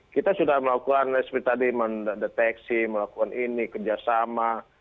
kita sudah melakukan seperti tadi mendeteksi melakukan ini kerjasama